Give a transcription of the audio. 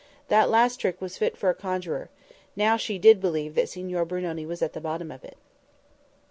That last trick was fit for a conjuror. Now she did believe that Signor Brunoni was at the bottom of it."